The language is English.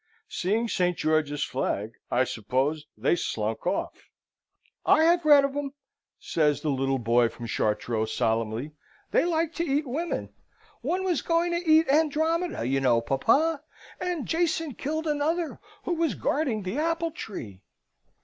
"Seeing St. George's flag, I suppose, they slunk off." "I have read of 'em," says the little boy from Chartreux, solemnly. "They like to eat women. One was going to eat Andromeda, you know, papa; and Jason killed another, who was guarding the apple tree."